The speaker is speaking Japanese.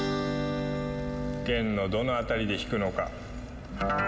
弦のどの辺りで弾くのか。